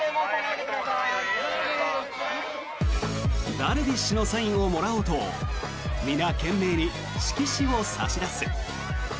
ダルビッシュのサインをもらおうと皆、懸命に色紙を差し出す。